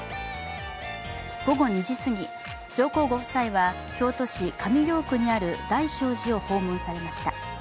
午後２時過ぎ、上皇ご夫妻は京都市上京区にある大聖寺を訪問されました。